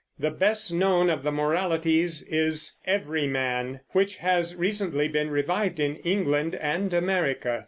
The best known of the Moralities is "Everyman," which has recently been revived in England and America.